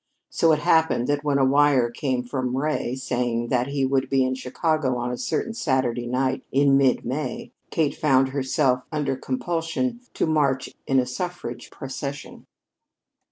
So it happened that when a wire came from Ray saying that he would be in Chicago on a certain Saturday night in mid May, Kate found herself under compulsion to march in a suffrage procession.